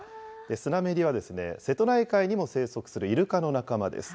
スナメリは瀬戸内海にも生息するイルカの仲間です。